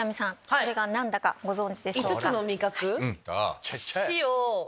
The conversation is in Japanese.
それが何かご存じでしょうか？